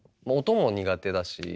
もう音も苦手だし。